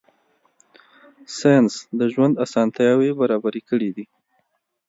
ساینس د ژوند اسانتیاوې برابرې کړې دي.